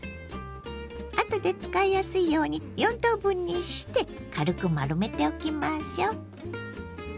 あとで使いやすいように４等分にして軽く丸めておきましょう。